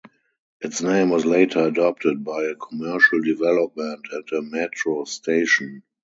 Its name was later adopted by a commercial development and a metro station.